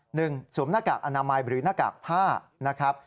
หนึ่งสวมหน้ากากอนามัยหรือหน้ากากผ้า